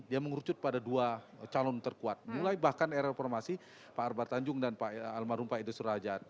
dia mengerucut pada dua calon terkuat mulai bahkan era reformasi pak arbar tanjung dan pak almarhum pak idris rajat